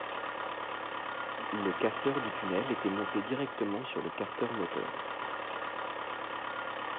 Le carter du tunnel était monté directement sur le carter moteur.